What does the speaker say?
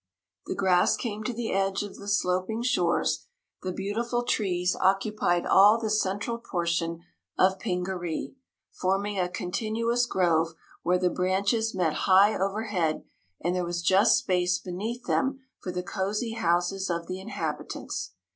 The grass came to the edge of the sloping shores; the beautiful trees occupied all the central portion of Pingaree, forming a continuous grove where the branches met high overhead and there was just space beneath them for the cosy houses of the inhabitants.